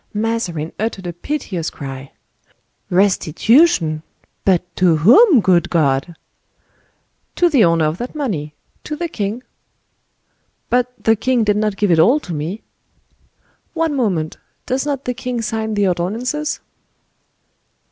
Mazarin uttered a piteous cry. "Restitution!—but to whom, good God?" "To the owner of that money,—to the king." "But the king did not give it all to me." "One moment,—does not the king sign the ordonances?"